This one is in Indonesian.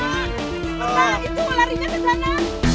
setelah itu larinya ke sana